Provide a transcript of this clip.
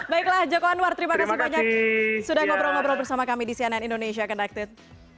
baiklah joko anwar terima kasih banyak sudah ngobrol ngobrol bersama kami di cnn indonesia connected